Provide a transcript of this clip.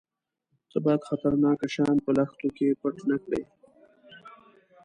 _ته بايد خطرناکه شيان په لښتو کې پټ نه کړې.